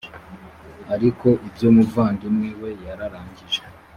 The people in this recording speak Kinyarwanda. ariko iby umuvandimwe we yararangije